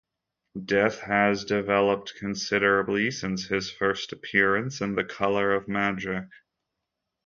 Death has developed considerably since his first appearance in "The Colour of Magic".